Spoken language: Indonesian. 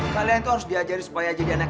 kalian itu harus diajari supaya jadi anak